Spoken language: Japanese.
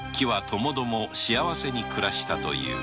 ともども幸せに暮らしたと言う。